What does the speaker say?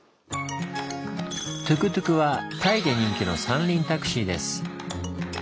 トゥクトゥクはタイで人気の三輪タクシーです。